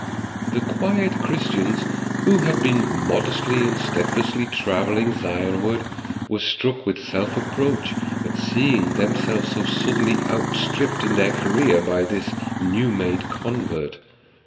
The quiet Christians who had been modestly and steadfastly travelling Zionward were struck with self reproach at seeing themselves so suddenly outstripped in their career by this new made convert.